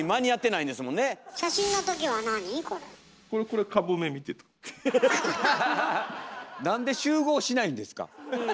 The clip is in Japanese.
なんで集合しないんですか？